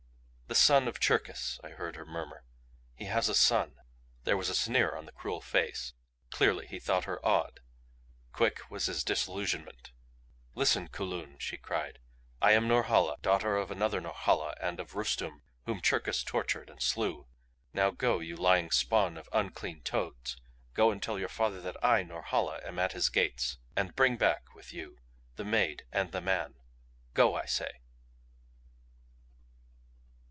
"The son of Cherkis!" I heard her murmur. "He has a son " There was a sneer on the cruel face; clearly he thought her awed. Quick was his disillusionment. "Listen, Kulun," she cried. "I am Norhala daughter of another Norhala and of Rustum, whom Cherkis tortured and slew. Now go, you lying spawn of unclean toads go and tell your father that I, Norhala, am at his gates. And bring back with you the maid and the man. Go, I say!"